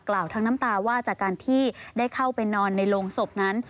ทั้งน้ำตาว่าจากการที่ได้เข้าไปนอนในโรงศพนั้น